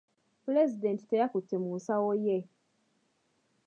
Pulezidenti teyakutte mu nsawo ye.